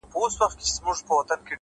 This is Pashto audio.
مثبت فکر د ناامیدۍ ځای تنګوي؛